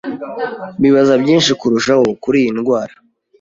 bibaza byinshi kurushaho kuri iyi ndwara.